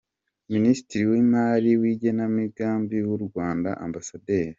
Minisitiri w’Imari w’igenamigami w’u Rwanda, Amb.